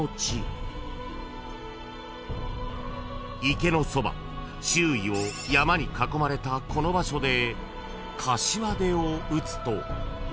［池のそば周囲を山に囲まれたこの場所で］